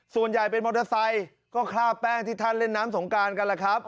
ส่วนใหญ่เป็นมอเตอร์ไซค์ก็คราบแป้งที่ท่านเล่นน้ำสงการกันแหละครับ